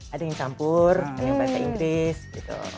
ada yang campur ada yang bahasa inggris gitu